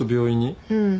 うん。